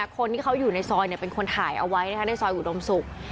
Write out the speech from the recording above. คนที่เขาอยู่ในซอยเป็นคนถ่ายเอาไว้ในซอยอุดมศุกร์